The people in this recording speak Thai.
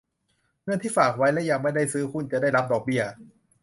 เงินที่ฝากไว้และยังไม่ได้ซื้อหุ้นจะได้รับดอกเบี้ย